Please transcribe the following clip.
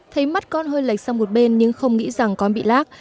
thấy mắt con hơi lệch sang một bên nhưng không nghĩ rằng con bị lác